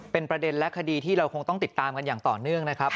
เป็นประเด็นและคดีที่เราคงต้องติดตามกันอย่างต่อเนื่องนะครับ